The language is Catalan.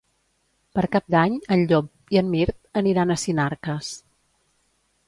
Per Cap d'Any en Llop i en Mirt aniran a Sinarques.